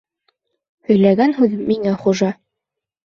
Һөйләгән һүҙем миңә хужа.